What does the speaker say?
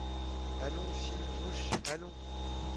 Allons, fine mouche… allons !…